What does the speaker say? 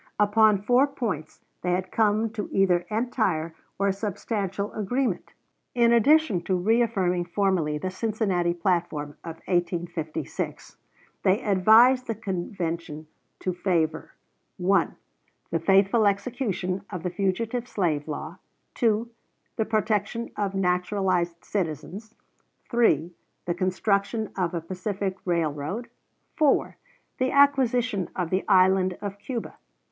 Upon four points they had come to either entire or substantial agreement. In addition to re affirming formally the Cincinnati platform of 1856, they advised the convention to favor, 1. The faithful execution of the fugitive slave law. 2. The protection of naturalized citizens. 3. The construction of a Pacific railroad. 4. The acquisition of the Island of Cuba.